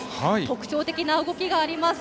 特徴的な動きがあります。